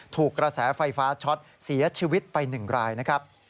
ถูกกระแสไฟฟ้าช็อตเสียชีวิตไป๑รายนะครับ